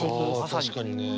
確かにね。